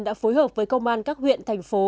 đã phối hợp với công an các huyện thành phố